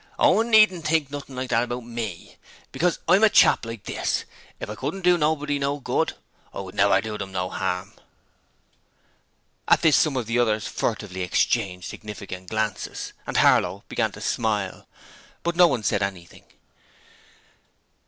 Owen needn't think nothing like that about ME, because I'm a chap like this if I couldn't do nobody no good, I wouldn't never do 'em no 'arm!' At this some of the others furtively exchanged significant glances, and Harlow began to smile, but no one said anything.